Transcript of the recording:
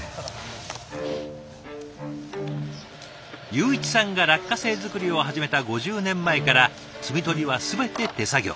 祐一さんが落花生作りを始めた５０年前から摘み取りは全て手作業。